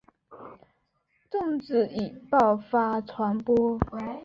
种子以爆发传播。